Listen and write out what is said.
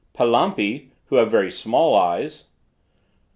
Palampi, who have very small eyes.